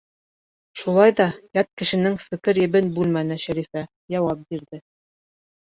Шулай ҙа ят кешенең фекер ебен бүлмәне Шәрифә, яуап бирҙе: